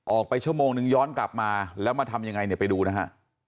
ไปชั่วโมงนึงย้อนกลับมาแล้วมาทำยังไงเนี่ยไปดูนะฮะ